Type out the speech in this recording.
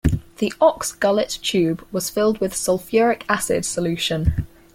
The ox-gullet tube was filled with sulfuric acid solution.